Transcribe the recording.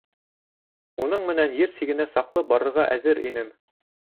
Уның менән ер сигенә саҡлы барырға әҙер инем.